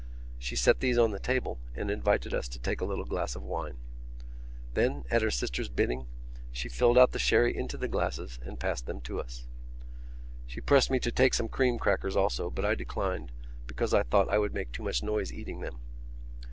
She set these on the table and invited us to take a little glass of wine. Then, at her sister's bidding, she filled out the sherry into the glasses and passed them to us. She pressed me to take some cream crackers also but I declined because I thought I would make too much noise eating them.